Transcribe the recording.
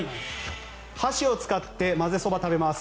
箸を使ってまぜそば食べます。